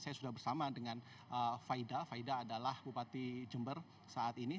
saya sudah bersama dengan faida faida adalah bupati jember saat ini